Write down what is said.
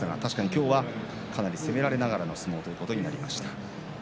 今日はかなり攻められながらの相撲ということになりました。